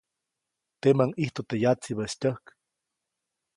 Teʼmäʼuŋ ʼijtu teʼ yatsibäʼis tyäjk.